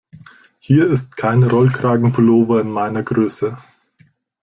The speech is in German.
Hier ist kein Rollkragenpullover in meiner Größe.